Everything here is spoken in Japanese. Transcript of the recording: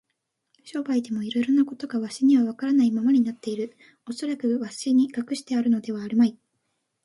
商売でもいろいろなことがわしにはわからないままになっている。おそらくわしに隠してあるのではあるまい。